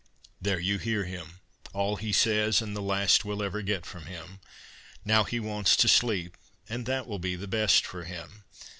There you hear him, all he says, and the last we'll ever get from him. Now he wants to sleep, and that will be the best for him.